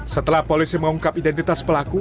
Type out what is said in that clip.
setelah polisi mengungkap identitas pelaku